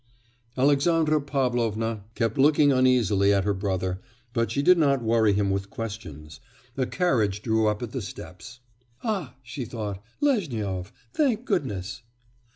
Alexandra Pavlovna kept looking uneasily at her brother, but she did not worry him with questions. A carriage drew up at the steps. 'Ah!' she thought, 'Lezhnyov, thank goodness!